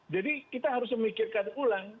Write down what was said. jadi kita harus memikirkan ulang